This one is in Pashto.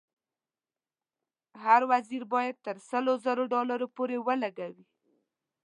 هر وزیر باید تر سلو زرو ډالرو پورې ولګوي.